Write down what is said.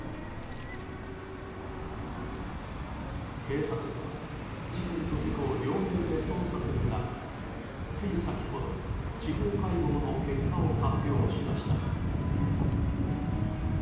警察は事件と事故、両面で捜査する中つい先ほど司法解剖の結果を発表しました。